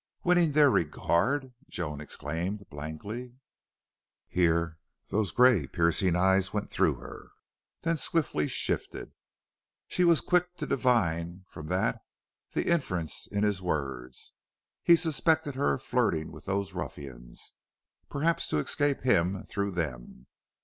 "Winning their regard!" Joan exclaimed, blankly. Here those gray, piercing eyes went through her, then swiftly shifted. She was quick to divine from that the inference in his words he suspected her of flirting with those ruffians, perhaps to escape him through them.